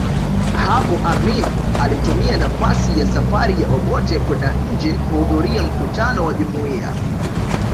Hapo Amin alitumia nafasi ya safari ya Obote kwenda nje kuhudhuria mkutano wa Jumuiya